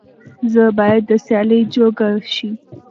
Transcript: ژبه بايد د سيالۍ جوګه شي.